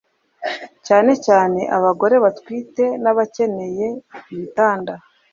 cyane cyane abagore batwite n’abakeneye ibitanda